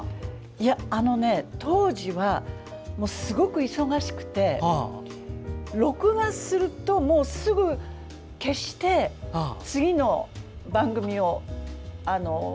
当時は、すごく忙しくて録画するともうすぐ消して次の番組を。